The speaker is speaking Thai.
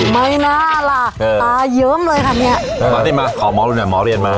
ไม่น่าล่ะตาเยิ้มเลยค่ะเนี่ยตอนที่มาขอหมอดูเนี่ยหมอเรียนมา